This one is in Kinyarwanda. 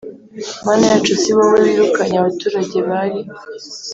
Mana yacu si wowe wirukanye abaturage bari